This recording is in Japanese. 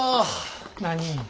何？